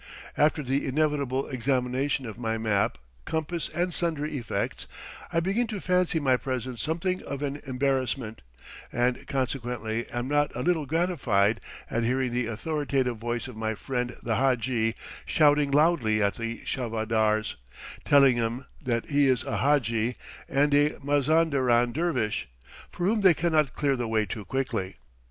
After the inevitable examination of my map, compass, and sundry effects, I begin to fancy my presence something of an embarrassment, and consequently am not a little gratified at hearing the authoritative voice of my friend the hadji shouting loudly at the charvadars, telling them that he is a hadji and a Mazanderan dervish, for whom they cannot clear the way too quickly.